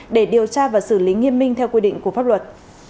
để điều tra và xử lý nghiêm minh theo quy định của pháp luật